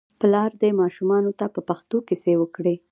پلار دې ماشومانو ته په پښتو کیسې وکړي.